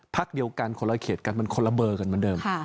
พักเดียวกันคนละเขตกันมันคนละเบอร์กันเหมือนเดิม